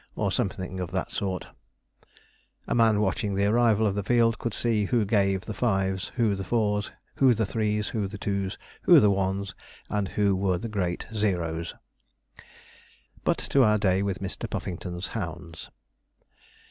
or something of that sort. A man watching the arrival of the field could see who gave the fives, who the fours, who the threes, who the twos, who the ones, and who were the great 0's. But to our day with Mr. Puffington's hounds.